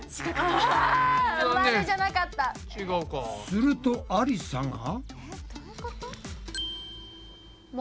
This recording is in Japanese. するとありさが。